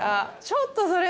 ちょっとそれは。